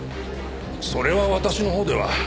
それは私のほうでは。